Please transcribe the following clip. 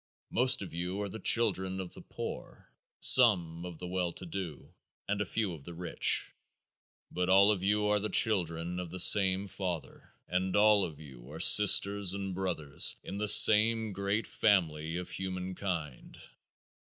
Most of you are the children of the poor, some of the well to do, and a few of the rich, but all of you are the children of the same Father and all of you are sisters and brothers in the same great family of humankind.